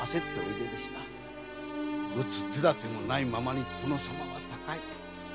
打つ手だてもないままに殿様は他界。